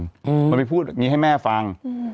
มันไปพูดอย่างงี้ให้แม่ฟังอืม